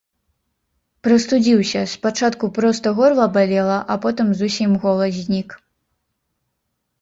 Прастудзіўся, спачатку проста горла балела, а потым зусім голас знік.